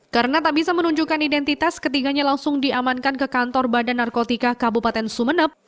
karena tak bisa menunjukkan identitas ketiganya langsung diamankan ke kantor badan narkotika kabupaten sumedep